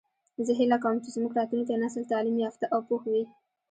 زه هیله کوم چې زموږ راتلونکی نسل تعلیم یافته او پوه وي